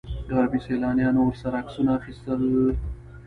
غربي سیلانیانو ورسره عکسونه اخیستل.